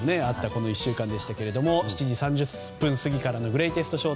この１週間でしたけど７時３０分過ぎからのグレイテスト